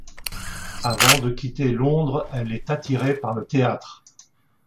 Avant de quitter Londres, elle est attirée par le théâtre.